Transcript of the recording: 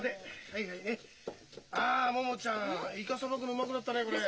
はいはいあ桃ちゃんイカさばくのうまくなったねえ